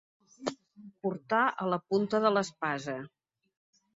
Portar a la punta de l'espasa.